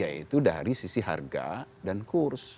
yaitu dari sisi harga dan kurs